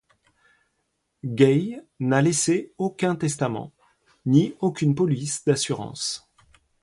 Gaye n'a laissé aucun testament, ni aucune police d'assurance.